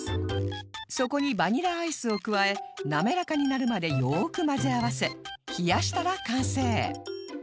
そこにバニラアイスを加え滑らかになるまでよく混ぜ合わせ冷やしたら完成